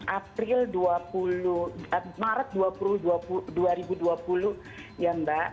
april dua ribu dua puluh maret dua ribu dua puluh ya mbak